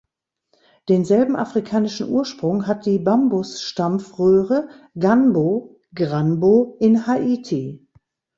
Denselben afrikanischen Ursprung hat die Bambusstampfröhre "ganbo" ("granbo") in Haiti.